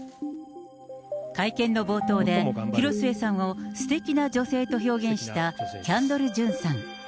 会見の冒頭で、広末さんをすてきな女性と表現したキャンドル・ジュンさん。